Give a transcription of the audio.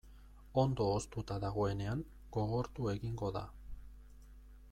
Ondo hoztuta dagoenean gogortu egingo da.